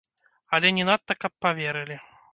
Але не надта каб паверылі.